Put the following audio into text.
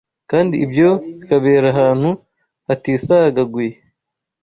kandi ibyo bikabera ahantu hatisagaguye,